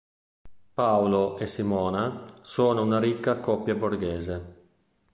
Paolo e Simona sono una ricca coppia borghese.